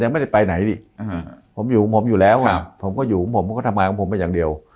ไม่ได้ไปไหนดิผมอยู่ของผมอยู่แล้วไงผมก็อยู่ของผมผมก็ทำงานของผมไปอย่างเดียว